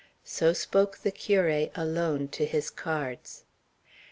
So spoke the curé alone, to his cards.